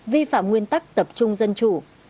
vi phạm nguyên tắc tập trung dân chủ